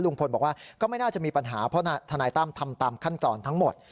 บอกว่าก็ไม่น่าจะมีปัญหาเพราะทนายตั้มทำตามขั้นตอนทั้งหมด